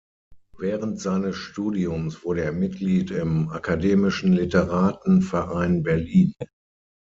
Während seines Studiums wurde er Mitglied im "Akademischen Literaten-Verein Berlin".